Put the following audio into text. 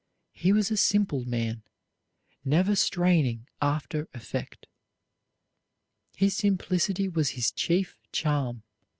He was a simple man, never straining after effect. His simplicity was his chief charm.